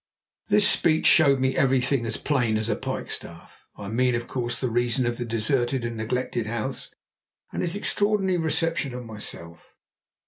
This speech showed me everything as plain as a pikestaff. I mean, of course, the reason of the deserted and neglected house, and his extraordinary reception of myself.